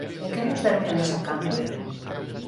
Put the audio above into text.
E que nos deron eles a cambio?